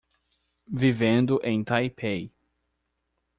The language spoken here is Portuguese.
Vivendo em Taipei